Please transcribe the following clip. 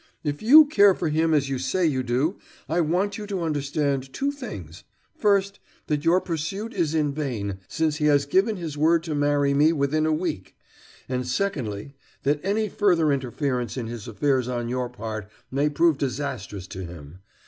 If you care for him as you say you do I want you to understand two things: first, that your pursuit is in vain, since he has given his word to marry me within a week, and, secondly, that any further interference in his affairs on your part may prove disastrous to him.